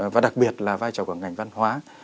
và đặc biệt là vai trò của ngành văn hóa